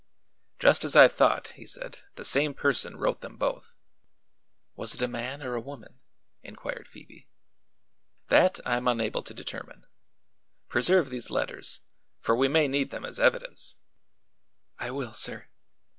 "Just as I thought," he said. "The same person wrote them both." "Was it a man or a woman?" inquired Phoebe. "That I am unable to determine. Preserve these letters, for we may need them as evidence." "I will, sir."